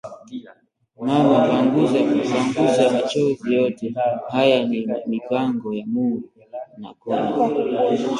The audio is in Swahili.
"Mama, panguza machozi, yote haya ni mipango ya Mungu", Nakhone